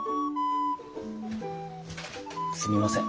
すみません。